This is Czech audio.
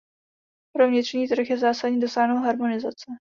Pro vnitřní trh je zásadní dosáhnout harmonizace.